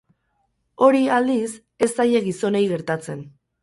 Hori, aldiz, ez zaie gizonei gertatzen.